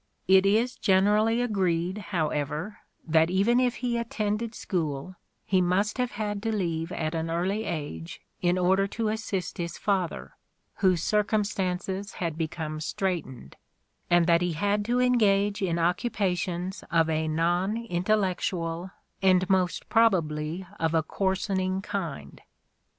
It is generally agreed, however, that even if he attended school he must have had to leave at an early age in order to assist his father, whose circumstances had become straitened : and that he had to engage in occupations of a non intellectual and most probably of a coarsening kind.